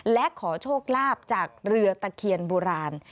และขอโชคลาภจากเรือตะเคียนโบราณ